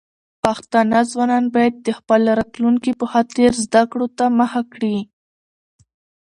پښتانه ځوانان بايد د خپل راتلونکي په خاطر زده کړو ته مخه کړي.